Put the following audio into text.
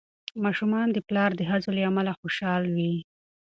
ماشومان د پلار د هڅو له امله خوشحال وي.